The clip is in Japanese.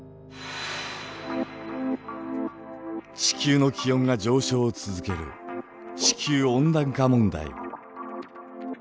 地球の気温が上昇を続ける地球温暖化問題。